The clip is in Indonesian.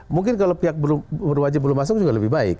mungkin kalau pihak berwajib belum masuk juga lebih baik